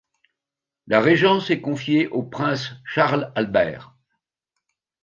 La régence est confiée au prince Charles-Albert.